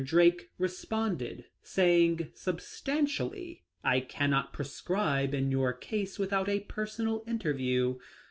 Drake responded, saying substantially, " I cannot prescribe in your case without a personal interview."